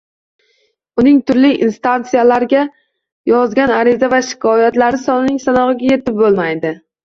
Uning turli instansiyalarga yozgan ariza va shikoyatlari sonining sanog‘iga yetib bo‘lmaydi.